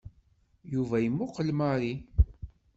Yuba yemmuqel Mary.